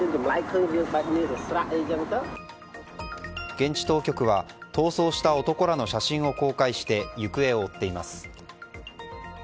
現地当局は逃走した男らの写真を公開して行方を追っています。